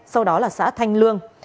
sau đó là xã thanh lương